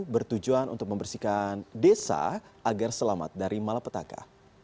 bertujuan untuk membersihkan desa agar selamat dari malapetaka